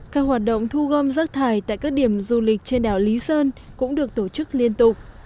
các hoạt động thu gom rác thải tại các điểm du lịch trên đảo lý sơn cũng được tổ chức liên tục